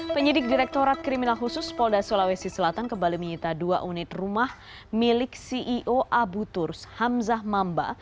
penyidik direktorat kriminal khusus polda sulawesi selatan kembali menyita dua unit rumah milik ceo abu turs hamzah mamba